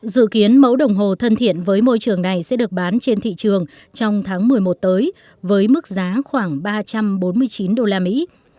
dự kiến mẫu đồng hồ thân thiện với môi trường này sẽ được bán trên thị trường trong tháng một mươi một tới với mức giá khoảng ba trăm bốn mươi chín đô la mỹ